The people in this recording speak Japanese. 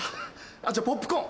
じゃあポップコーン。